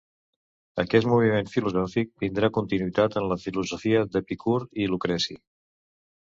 Aquest moviment filosòfic tindrà continuïtat amb la filosofia d'Epicur i Lucreci.